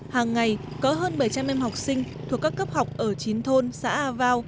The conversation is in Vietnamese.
hàng ngày có hơn bảy trăm linh em học sinh thuộc các cấp học ở chín thôn xã a vao